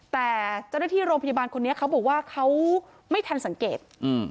แต่เจ้าหน้าที่โรงพยาบาลคนนี้เขาบอกว่าเขาไม่ทันสังเกต